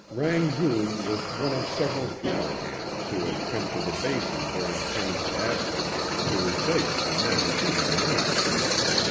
Rangoon was one of several cowhands who had come to the Basin during Penny's absence to replace the men she had known.